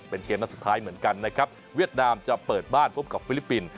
เป็นเกมนัดสุดท้ายเหมือนกันนะครับเวียดนามจะเปิดบ้านพบกับฟิลิปปินส์